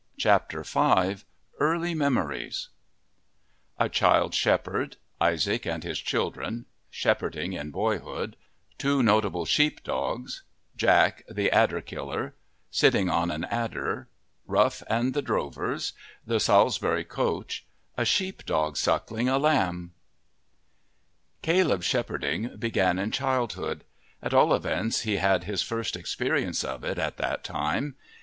CHAPTER V EARLY MEMORIES A child shepherd Isaac and his children Shepherding in boyhood Two notable sheep dogs Jack, the adder killer Sitting on an adder Rough and the drovers The Salisbury coach A sheep dog suckling a lamb Caleb's shepherding began in childhood; at all events he had his first experience of it at that time.